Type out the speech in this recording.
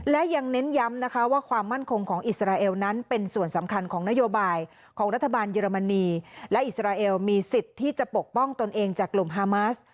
และยังเน้นย้ำนะคะว่าความมั่นคงของอิสราเอลนั้นเป็นส่วนสำคัญของนโยบายของรัฐบาลเยอรมนีและอิสราเอลมีสิทธิ์ที่จะปกป้องตนเองจากกลุ่มฮามาส